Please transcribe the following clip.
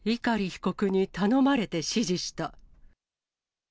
碇被告に頼まれて指示した。